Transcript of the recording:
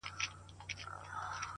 هره لاسته راوړنه وخت غواړي!